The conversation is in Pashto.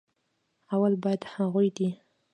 اول بايد هغوي دې